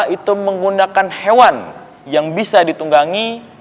itu menggunakan hewan yang bisa ditunggangi